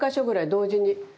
同時に。